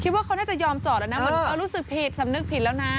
ว่าเขาน่าจะยอมจอดแล้วนะเหมือนรู้สึกผิดสำนึกผิดแล้วนะ